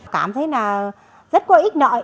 cảm thấy là rất có ích nợ